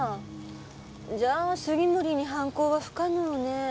じゃあ杉森に犯行は不可能ね。